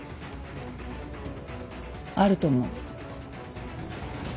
あると思う。